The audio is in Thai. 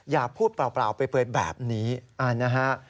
อย่าพูดเปล่าเปลยแบบนี้นะฮะ